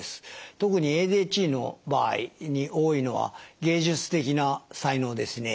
特にＡＤＨＤの場合に多いのは芸術的な才能ですね。